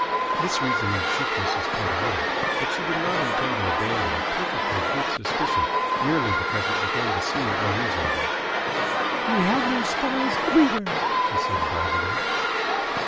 This reasoning shook Mrs. Pett a little, but she did not intend to abandon a perfectly good suspicion merely because it began to seem unreasonable. "They have their spies everywhere," she said doggedly.